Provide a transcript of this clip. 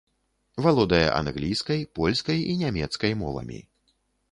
Валодае англійскай, польскай і нямецкай мовамі.